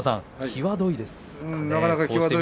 際どいですね。